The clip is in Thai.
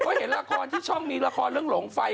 ก็เห็นละครที่ช่องมีละครเรื่องหลงไฟ